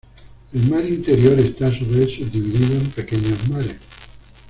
El mar interior esta a su vez subdividido en pequeños mares.